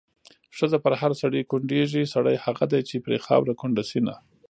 ښځه په هر سړي کونډېږي، سړی هغه دی چې پرې خاوره کونډه شېنه